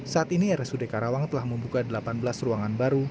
saat ini rsud karawang telah membuka delapan belas ruangan baru